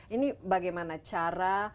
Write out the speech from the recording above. ini bagaimana cara